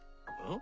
ん？